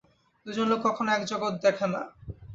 দুজন লোক কখনও এক জগৎ দেখে না।